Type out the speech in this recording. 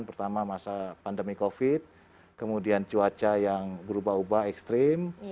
pertama masa pandemi covid kemudian cuaca yang berubah ubah ekstrim